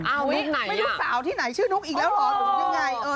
ไม่รู้สาวที่ไหนชื่อนุ๊กอีกแล้วหรอ